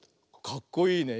かっこいいね。